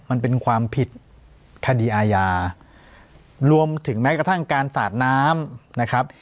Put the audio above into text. มันเป็นความผิดคดีอาญารวมถึงแม้กระทั่งการสาดน้ำนะครับ